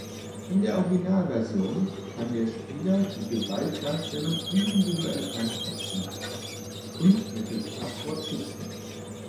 In der Originalversion kann der Spieler die Gewaltdarstellung individuell anpassen und mittels Passwort schützen.